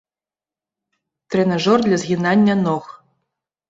Трэнажор для згінання ног.